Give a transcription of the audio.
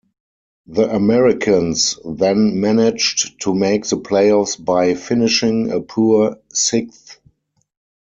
The Americans then managed to make the playoffs by finishing a poor sixth.